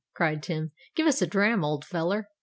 cried Tim. "Give us a dram, old feller."